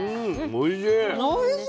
おいしい！